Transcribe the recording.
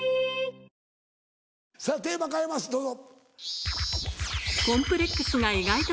さぁテーマ変えますどうぞ。